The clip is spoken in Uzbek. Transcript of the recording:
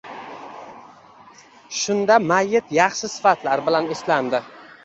Shunda mayyit yaxshi sifatlar bilan eslandi